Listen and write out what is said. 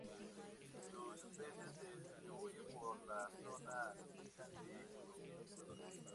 Sus especies se distribuyen por la zona andina de Colombia y Ecuador.